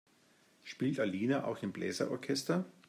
Spielt Alina auch im Bläser-Orchester?